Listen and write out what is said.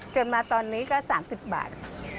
จนมาตอนนี้ก็๓๐บาท